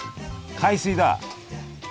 海水だ！